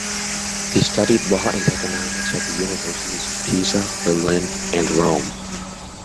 He studied law and economics at the universities of Pisa, Berlin, and Rome.